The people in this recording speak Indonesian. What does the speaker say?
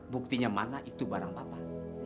buktinya mana itu barang bapak